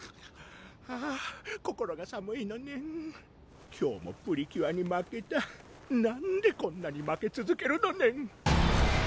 あぁ心が寒いのねん今日もプリキュアに負けたなんでこんなに負けつづけるのねん・